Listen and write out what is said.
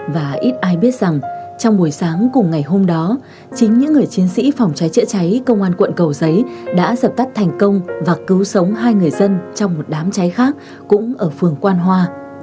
và ít ai biết rằng trong buổi sáng cùng ngày hôm đó chính những người chiến sĩ phòng cháy chữa cháy công an quận cầu giấy đã dập tắt thành công và cứu sống hai người dân trong một đám cháy khác cũng ở phường quan hoa